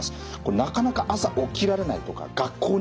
なかなか朝起きられないとか学校に行けない。